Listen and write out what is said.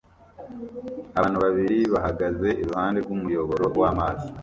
Abantu babiri bahagaze iruhande rw'umuyoboro w'amazi